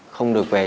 không được về trở về